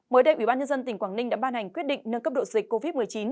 mới đây ủy ban nhân dân tỉnh quảng ninh đã ban hành quyết định nâng cấp độ dịch covid một mươi chín